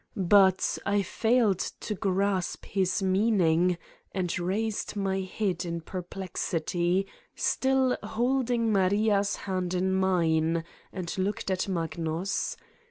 But I failed to grasp his meaning and raised my head in perplexity, still holding Maria's hand in mine, and looked at Magnus.